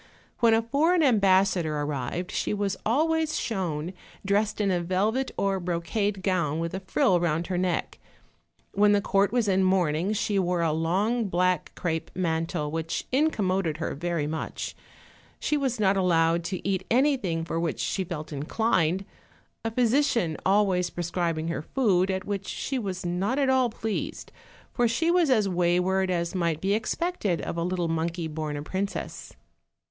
When a foreign ambassador ar rived she was always shown dressed in a velvet or brocade gown with a frill round her neck; when the court was in mourning she wore a long black crape mantle which incommoded her very much; she was not allowed to eat anything for which she felt inclined, a physician always Erescribing her food, at which she was not at all pleased, :>r she was as wayward as might be expected of a little monkey born a princess.